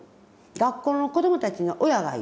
学校の子どもたちには親がいる。